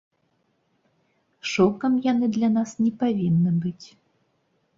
Шокам яны для нас не павінны быць.